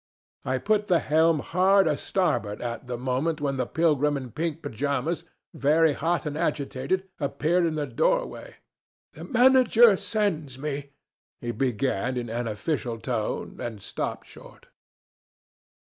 I put the helm hard a starboard at the moment when the pilgrim in pink pyjamas, very hot and agitated, appeared in the doorway. 'The manager sends me ' he began in an official tone, and stopped short.